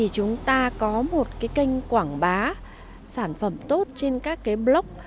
chúng ta có một kênh quảng bá sản phẩm tốt trên các blog